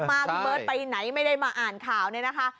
มาพี่เบิร์ตไปไหนไม่ได้มาอ่านข่าวเนี่ยนะคะ